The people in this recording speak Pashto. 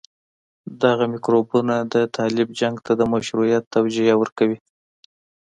دغه میکروبونه د طالب جنګ ته د مشروعيت توجيه ورکوي.